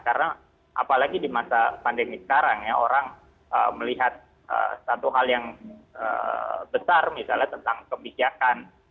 karena apalagi di masa pandemi sekarang ya orang melihat satu hal yang besar misalnya tentang kebijakan